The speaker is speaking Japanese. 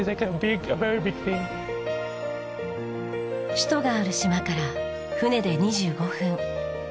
首都がある島から船で２５分。